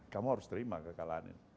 kamu harus terima kekalahan ini